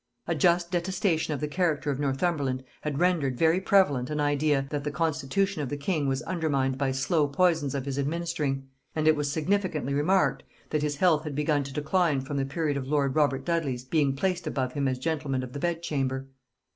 A just detestation of the character of Northumberland had rendered very prevalent an idea, that the constitution of the king was undermined by slow poisons of his administering; and it was significantly remarked, that his health had begun to decline from the period of lord Robert Dudley's being placed about him as gentleman of the bed chamber.